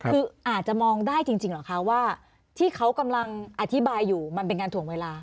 คืออาจจะมองได้จริงเหรอคะว่าที่เขากำลังอธิบายอยู่มันเป็นการถ่วงเวลา